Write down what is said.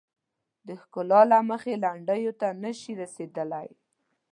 د ښکلا له مخې لنډیو ته نه شي رسیدلای.